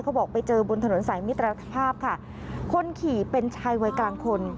บอกไปเจอบนถนนสายมิตรภาพค่ะคนขี่เป็นชายวัยกลางคน